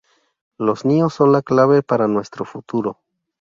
Los niños son la clave para nuestro futuro.